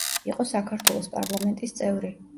იყო საქართველოს პარლამენტის წევრი.